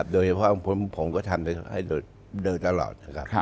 โดยเฉพาะผมก็ทำให้เดินตลอดนะครับ